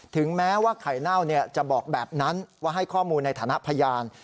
ถึงแม้ว่าไข่เน่าจะบอกแบบนั้นว่าให้ข้อมูลในฐานะพยาน